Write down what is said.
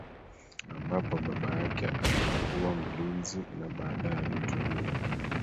Ambapo baba yake alikuwa mlinzi na baadaye alitumia